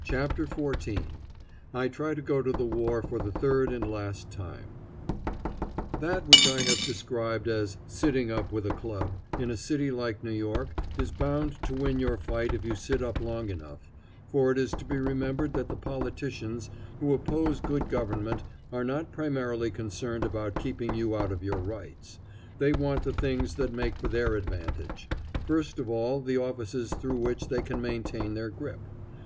CHAPTER XIV I TRY TO GO TO THE WAR FOR THE THIRD AND LAST TIME That which I have described as "sitting up with a club" in a city like New York is bound to win your fight if you sit up long enough, for it is to be remembered that the politicians who oppose good government are not primarily concerned about keeping you out of your rights. They want the things that make for their advantage; first of all the offices through which they can maintain their grip.